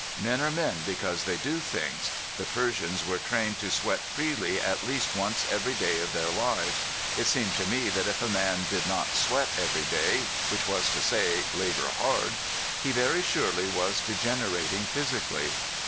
Men are men because they do things. The Persians were trained to sweat freely at least once every day of their lives. It seemed to me that if a man did not sweat every day, which was to say labor hard he very surely was degenerating physically.